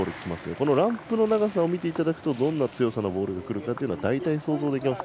このランプの長さを見るとどんな強さのボールがくるか大体、想像できます。